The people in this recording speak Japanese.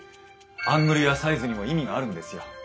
アングルやサイズにも意味があるんですよ。